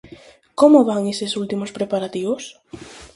Como van eses últimos preparativos?